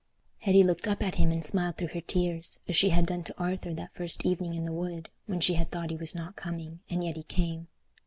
Hetty looked up at him and smiled through her tears, as she had done to Arthur that first evening in the wood, when she had thought he was not coming, and yet he came.